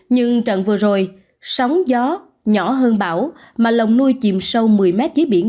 nhưng trận vừa rồi sóng gió nhỏ hơn bão mà lồng nuôi chìm sâu một mươi mét dưới biển